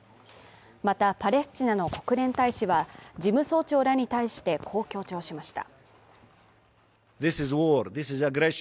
また、パレスチナの国連大使は事務総長らに対して、こう強調しました。